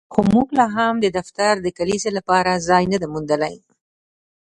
خو موږ لاهم د دفتر د کلیزې لپاره ځای نه دی موندلی